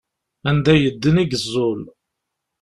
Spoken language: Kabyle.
Anda yedden i yeẓẓul.